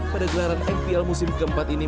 pada gelaran apl musim keempat ini